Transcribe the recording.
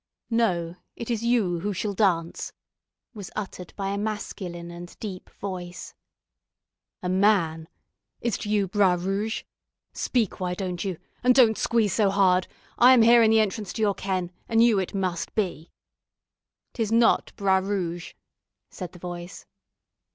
"No, it is you who shall dance!" was uttered by a masculine and deep voice. "A man! Is't you, Bras Rouge? Speak, why don't you? and don't squeeze so hard. I am here in the entrance to your 'ken,' and you it must be." "'Tis not Bras Rouge!" said the voice.